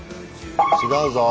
違うぞ。